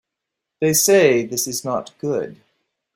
They say this is not good.